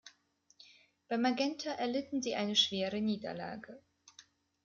Bei Magenta erlitten sie eine schwere Niederlage.